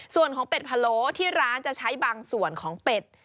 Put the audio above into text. ส่วนของเป็ดพะโล้ที่ร้านจะใช้บางส่วนของเป็ด